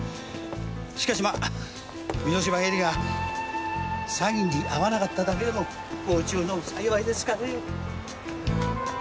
しかしまあ簑島絵里が詐欺に遭わなかっただけでも不幸中の幸いですかね。